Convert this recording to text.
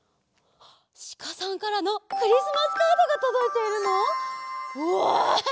シカさんからのクリスマスカードがとどいているの？わ！